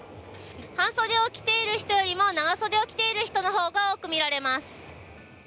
半袖を着ている人よりも長袖を着ている人の方が多く見られます。